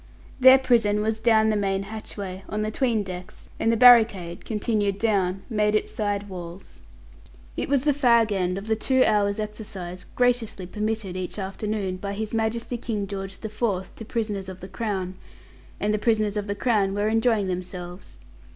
Their prison was down the main hatchway, on the 'tween decks, and the barricade, continued down, made its side walls. It was the fag end of the two hours' exercise graciously permitted each afternoon by His Majesty King George the Fourth to prisoners of the Crown, and the prisoners of the Crown were enjoying themselves.